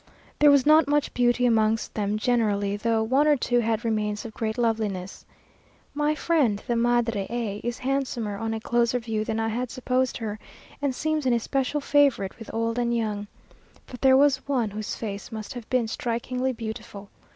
There was not much beauty amongst them generally, though one or two had remains of great loveliness. My friend, the Madre A , is handsomer on a closer view than I had supposed her, and seems an especial favourite with old and young. But there was one whose face must have been strikingly beautiful.